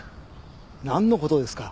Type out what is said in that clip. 何のことですか？